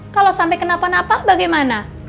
kalau sampai kenapa napa bagaimana